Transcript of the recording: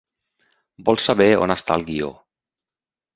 Vol saber on està el guió.